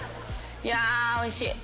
いやおいしい。